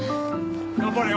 頑張れよ。